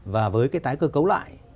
và với cái tái cơ cấu lại